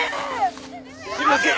すいません